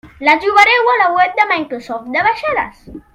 La trobareu a la web de Microsoft de baixades.